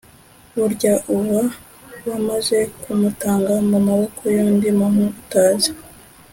burya uwa wamaze kumutanga mu maboko y’undi muntu utazi